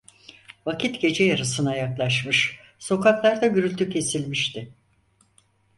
Vakit gece yarısına yaklaşmış, sokaklarda gürültü kesilmişti.